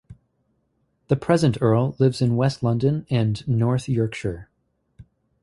The present Earl lives in West London and North Yorkshire.